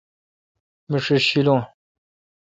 می ݭیݭ ݭیلون۔